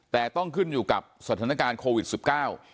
แต่ต้องขึ้นอยู่กับสถานการณ์โควิดสิบเก้า